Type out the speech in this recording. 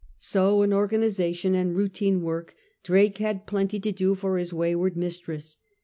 So in organisation and routine work Drake had plenty to do for his wayward mis tress.